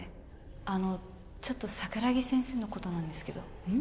あのちょっと桜木先生のことなんですけどうん？